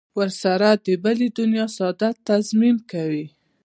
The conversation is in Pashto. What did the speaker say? ورسره د بلې دنیا سعادت تضمین کوي.